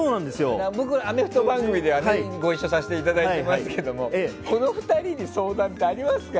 僕、アメフト番組でご一緒させていただいたんですがこの２人に相談ってありますか？